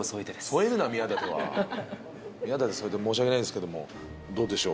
添えるな「宮舘」は「宮舘」添えて申し訳ないんですけどもどうでしょう？